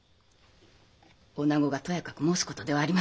おなごがとやかく申すことではありません！